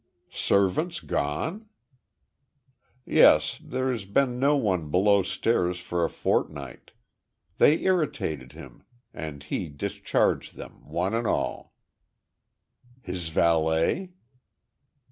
"Servants gone?" "Yes; there's been no one below stairs for a fortnight. They irritated him, and he discharged them, one and all." "His valet?"